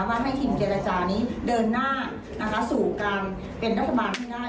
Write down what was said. ว่าให้ทีมเกียรจานี้เดินหน้าสู่การเป็นรัฐบาลได้